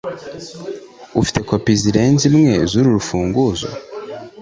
Ufite kopi zirenze imwe zuru rufunguzo?